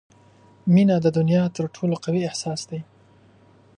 • مینه د دنیا تر ټولو قوي احساس دی.